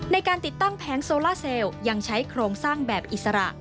ในการติดตั้งแผงโซล่าเซลยังใช้โครงสร้างแบบอิสระ